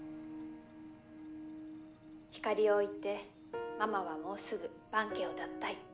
ひかりを置いてママはもうすぐ伴家を脱退。